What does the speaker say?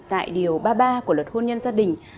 tại điều ba mươi ba của luật hôn nhân gia đình